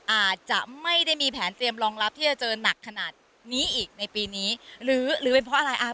อาจจะไม่ได้มีแผนเตรียมรองรับที่จะเจอหนักขนาดนี้อีกในปีนี้หรือเป็นเพราะอะไรอ่า